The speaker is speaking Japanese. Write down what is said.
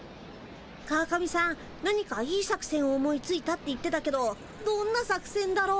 川上さん何かいい作せんを思いついたって言ってたけどどんな作せんだろう。